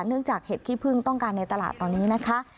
เนื่องจากเห็ดขี้พึ่งต้องการในตลาดตอนนี้นะคะ